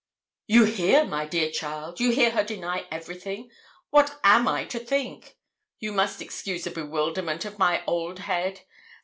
'You hear, my dear child, you hear her deny everything; what am I to think? You must excuse the bewilderment of my old head.